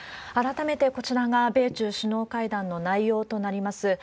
改めてこちらが米中首脳会談の内容となります。